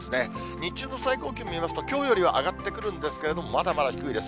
日中の最高気温見ますと、きょうよりは上がってくるんですけれども、まだまだ低いです。